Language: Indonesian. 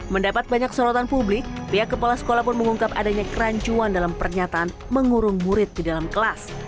mendapat banyak sorotan publik pihak kepala sekolah pun mengungkap adanya kerancuan dalam pernyataan mengurung murid di dalam kelas